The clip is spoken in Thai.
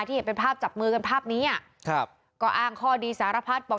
เห็นเป็นภาพจับมือกันภาพนี้อ่ะครับก็อ้างข้อดีสารพัดบอก